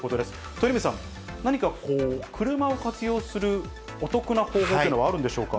鳥海さん、何か、車を活用するお得な方法っていうのは、あるんでしょうか。